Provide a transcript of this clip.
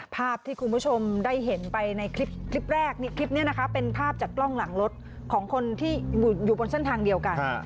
ภาพที่คุณผู้ชมได้เห็นไปในคลิปแรกคลิปนี้นะคะเป็นภาพจากกล้องหลังรถของคนที่อยู่บนเส้นทางเดียวกัน